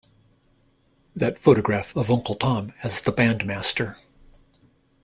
That photograph of Uncle Tom as the bandmaster.